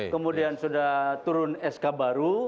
kemudian sudah turun sk baru